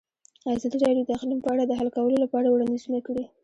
ازادي راډیو د اقلیم په اړه د حل کولو لپاره وړاندیزونه کړي.